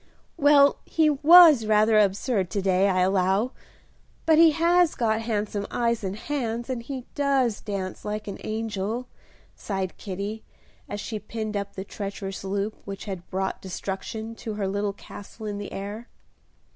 "Well, he was rather absurd to day, I allow; but he has got handsome eyes and hands, and he does dance like an angel," sighed Kitty, as she pinned up the treacherous loop which had brought destruction to her little castle in the air.